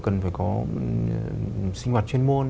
cần phải có sinh hoạt chuyên môn